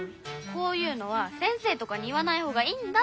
こういうのは先生とかに言わないほうがいいんだって。